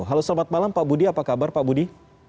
halo selamat malam pak budi apa kabar pak budi